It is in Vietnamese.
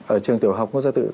ở trường tiểu học ngo gia tự